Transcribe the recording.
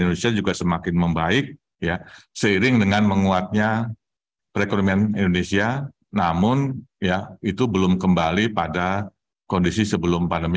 sejumlah indikator ini menjadi acuan bagi pemerintah bersama pengusaha dan dewan pengupahan yang tengah menyusun perancangan upah minimum untuk tahun dua ribu dua puluh tiga